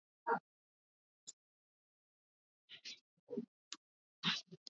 Kati ya mashindano mashuhuri hasa ni Michezo ya Olimpiki iliyofanyika awali Ugiriki ya Kale